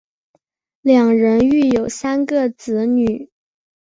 两人育有三个子女。